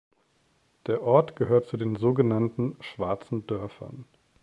Der Ort gehört zu den sogenannten Schwarzen Dörfern.